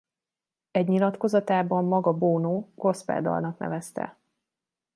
Egy nyilatkozatában maga Bono gospel dalnak nevezte.